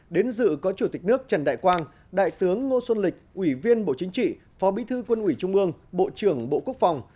đến dự có chủ tịch nước trần đại quang đại tướng ngô xuân lịch ủy viên bộ chính trị phó bí thư quân ủy trung ương bộ trưởng bộ quốc phòng